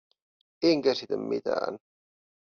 En käsitä mitään.